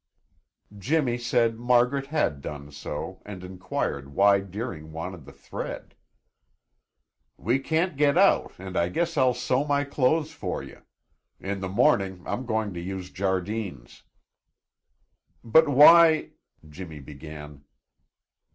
Jimmy said Margaret had done so and inquired why Deering wanted the thread. "We can't get out and I guess I'll sew my clothes for you. In the morning I'm going to use Jardine's." "But why " Jimmy began.